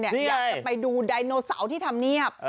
อยากจะไปดูดันนอเซาที่ทำเนียบ